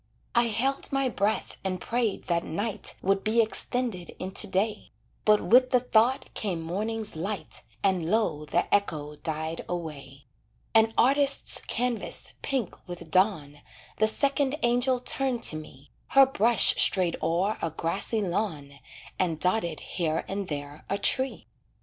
I held my breath and prayed that night Would be extended into day, But with the thought came morning's light, And low the echo died away. An artist's canvas, pink with dawn, The second angel turned to me, Her brush strayed o'er a grassy lawn And dotted here and there a tree.